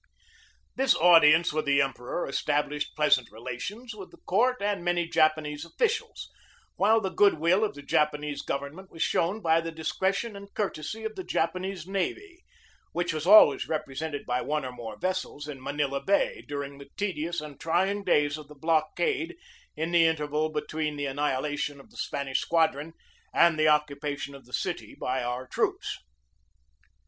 This audience with the Emperor established pleas ant relations with the court and many Japanese offi 178 GEORGE DEWEY cials, while the good will of the Japanese government was shown by the discretion and courtesy of the Japanese Navy, which was always represented by one or more vessels in Manila Bay during the tedious and trying days of the blockade in the interval be tween the annihilation of the Spanish squadron and the occupation of the city by our troops.